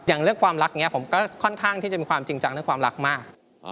อย่างเรื่องความรักนี้ผมก็ค่อนข้างที่จะมีความจริงจังเรื่องความรักมาก